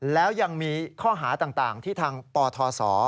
แล้วยังมีข้อหาต่างที่ทางปทศ